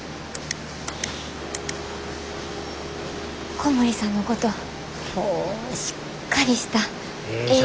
小森さんのことしっかりしたええ